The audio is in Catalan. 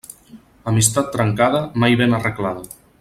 Amistat trencada, mai ben arreglada.